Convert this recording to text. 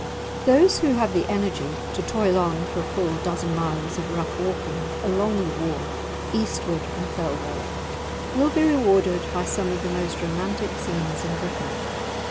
Those who have the energy to toil on for a full dozen miles of rough walking, along the wall, eastward from Thirlwall, will be rewarded by some of the most romantic scenes in Britain.